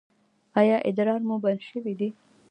ایا ادرار مو بند شوی دی؟